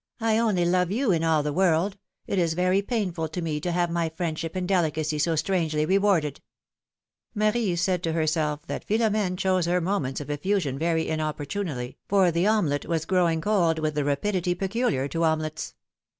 I only love you, in all the world ; it is very painful to me to have my friendship and delicacy so strangely rewarded ! Marie said to herself that Philom^ne chose her moments of eifusion very inopportunely, for the omelette was grow ing cold with the rapidity peculiar to omelettes.